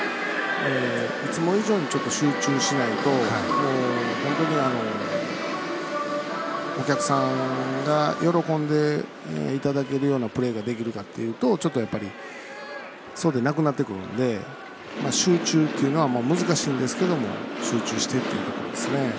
いつも以上に集中しないと本当にお客さんが喜んでいただけるようなプレーができるかっていうとちょっとそうでなくなってくるんで集中っていうのは難しいんですけど集中してというところですね。